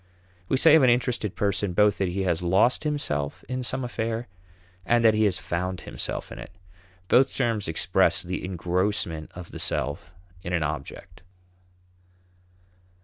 We say of an interested person both that he has lost himself in some affair and that he has found himself in it. Both terms express the engrossment of the self in an object.